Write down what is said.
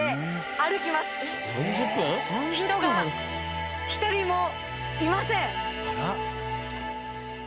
人が１人もいません。